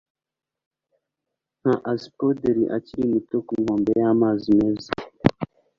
nka aspodeli akiri muto, ku nkombe y'amazi meza